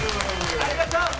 ありがとう！